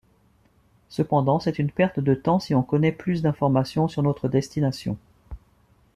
Cependant, c'est une perte de temps si on connaît plus d'informations sur notre destination.